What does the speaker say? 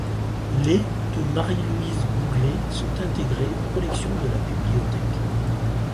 Les de Marie-Louise Bouglé sont intégrés aux collections de la bibliothèque.